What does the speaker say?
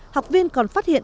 học viên còn phát hiện